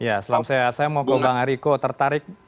ya selamat sehat saya mau ke bang eriko tertarik